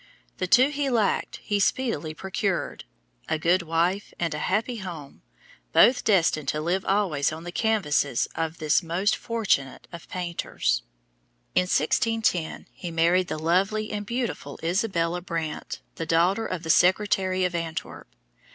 The two he lacked he speedily procured, a good wife and a happy home, both destined to live always on the canvasses of this most fortunate of painters. In 1610, he married the lovely and beautiful Isabella Brandt, the daughter of the Secretary of Antwerp.